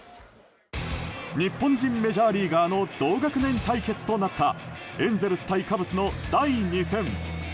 日本人メジャーリーガーの同学年対決となったエンゼルス対カブスの第２戦。